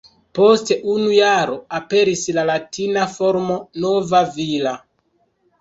Post unu jaro aperis la latina formo ""Nova Villa"".